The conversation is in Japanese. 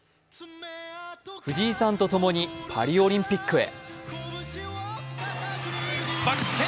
藤井さんとともにパリオリンピックへ。